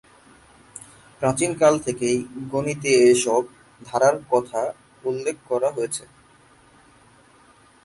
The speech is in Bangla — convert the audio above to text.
প্রাচীন কাল থেকেই গণিতে এসব ধারার কথা উল্লেখ করা হয়েছে।